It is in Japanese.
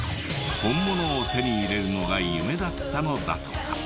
本物を手に入れるのが夢だったのだとか。